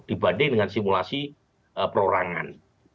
dibanding dengan simulasi perorangan